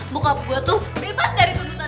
bukan gue tuh bebas dari tuntutan